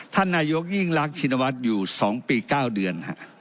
ธนายกยิ่งรักชีวินวัตรอยู่๒ปี๙เดือน